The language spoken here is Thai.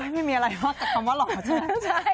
ไม่มีอะไรมากกับคำว่าหล่อใช่ไหม